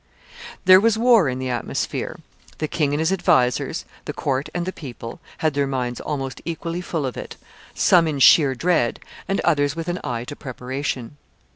There was war in the atmosphere. The king and his advisers, the court and the people, had their minds almost equally full of it, some in sheer dread, and others with an eye to preparation.